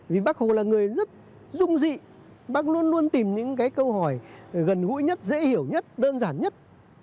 vì bác hồ là người rất rung dị bác luôn luôn tìm những cái câu hỏi gần gũi nhất dễ hiểu nhất đơn giản nhất